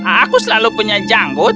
aku selalu punya janggut